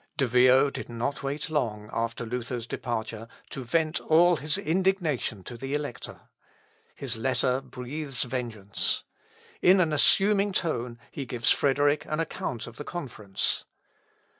De Vio did not wait long, after Luther's departure, to vent all his indignation to the Elector. His letter breathes vengeance. In an assuming tone he gives Frederick an account of the conference.